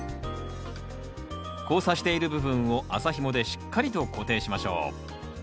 交差している部分を麻ひもでしっかりと固定しましょう。